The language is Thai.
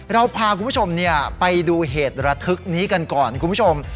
เราพาคุณผู้ชมไปดูเหตุระทึกนี้กันก่อนคุณผู้ชม